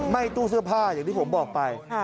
ตู้เสื้อผ้าอย่างที่ผมบอกไป